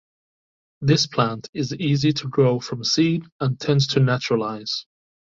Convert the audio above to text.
This plant is easy to grow from seed and tends to naturalize.